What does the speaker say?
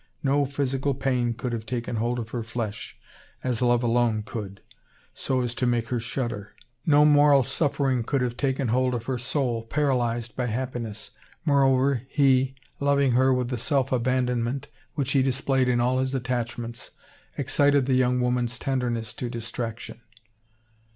No physical pain could have taken hold of her flesh, as love alone could, so as to make her shudder. No moral suffering could have taken hold of her soul, paralyzed by happiness. Moreover, he, loving her with the self abandonment which he displayed in all his attachments, excited the young woman's tenderness to distraction.